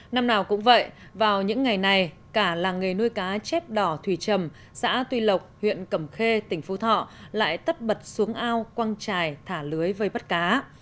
năm nào cũng vậy vào những ngày này cả làng nghề nuôi cá chép đỏ thủy trầm xã tuy lộc huyện cẩm khê tỉnh phú thọ lại tất bật xuống ao quăng trài thả lưới vây bắt cá